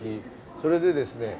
それでですね